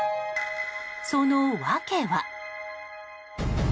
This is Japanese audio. その訳は。